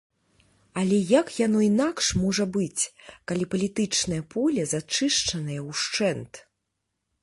Але як яно інакш можа быць, калі палітычнае поле зачышчанае ўшчэнт?